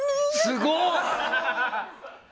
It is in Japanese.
すごっ！